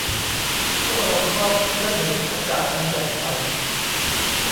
พวกเราชอบที่ได้เห็นอากาศอันแจ่มใส